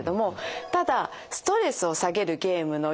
ただストレスを下げるゲームの４条件